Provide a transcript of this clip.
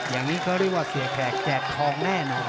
อย่างนี้เขาเรียกว่าเสียแขกแจกทองแน่นอน